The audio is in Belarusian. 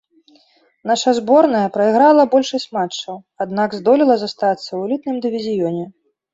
Наша зборная прайграла большасць матчаў, аднак здолела застацца ў элітным дывізіёне.